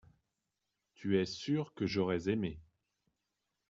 Tu es sûr que j’aurais aimé.